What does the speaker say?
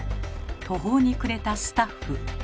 途方に暮れたスタッフ。